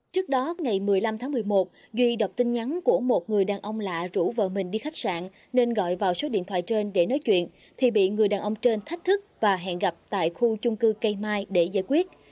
trước đó ngày một mươi năm tháng một mươi một duy đọc tin nhắn của một người đàn ông lạ rủ vợ mình đi khách sạn nên gọi vào số điện thoại trên để nói chuyện thì bị người đàn ông trên thách thức và hẹn gặp tại khu chung cư cây mai để giải quyết